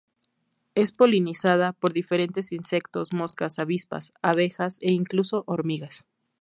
Es polinizada por diferentes insectos, moscas, avispas, abejas e incluso hormigas.